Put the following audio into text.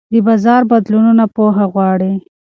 د بازار بدلونونه پوهه غواړي.